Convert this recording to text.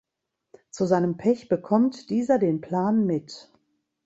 Zu seinem Pech bekommt dieser den Plan mit.